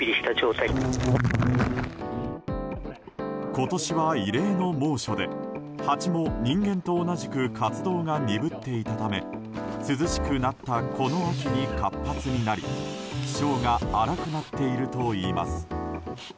今年は異例の猛暑でハチも人間と同じく活動が鈍っていたため涼しくなったこの秋に活発になり気性が荒くなっているといいます。